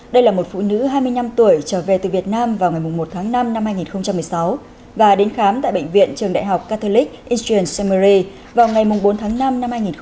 đây là một phụ nữ hai mươi năm tuổi trở về từ việt nam vào ngày một tháng năm năm hai nghìn một mươi sáu và đến khám tại bệnh viện trường đại học catherlix etion semer vào ngày bốn tháng năm năm hai nghìn một mươi chín